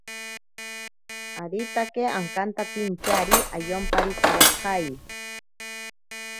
Aritake akantapintyari ayomparitawakai.